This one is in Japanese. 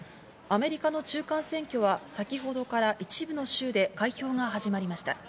アメリカの中間選挙は先ほどから一部の州で開票が始まりました。